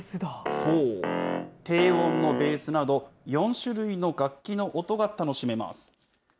そう、低音のベースなど、４種類の楽器の音が楽しめます。